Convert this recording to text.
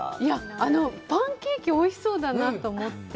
あのパンケーキ、おいしそうだなと思って。